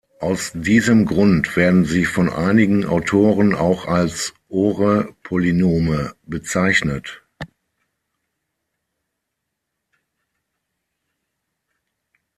Aus diesem Grund werden sie von einigen Autoren auch als Ore-Polynome bezeichnet.